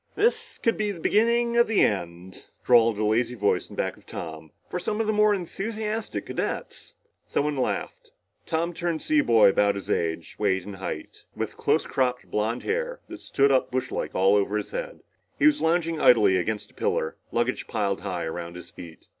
"This could be the beginning of the end," drawled a lazy voice in back of Tom, "for some of the more enthusiastic cadets." Someone laughed. Tom turned to see a boy about his own age, weight and height, with close cropped blond hair that stood up brushlike all over his head. He was lounging idly against a pillar, luggage piled high around his feet.